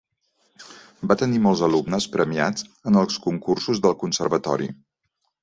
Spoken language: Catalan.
Va tenir molts alumnes premiats en els concursos del conservatori.